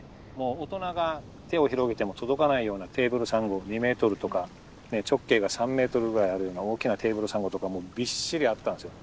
大人が手を広げても届かないようなテーブルサンゴ２ｍとか直径が３ｍぐらいあるような大きなテーブルサンゴとかもびっしりあったんですよ。